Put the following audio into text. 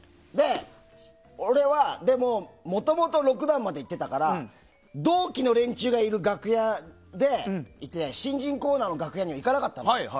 俺はもともと６段まで行ってたから同期の連中がいる楽屋で新人コーナーの楽屋にはいかなかったの。